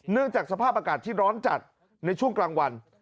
จากสภาพอากาศที่ร้อนจัดในช่วงกลางวัน